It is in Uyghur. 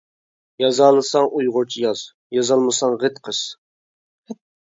يازالىساڭ ئۇيغۇرچە ياز يازالمىساڭ غىت قىس.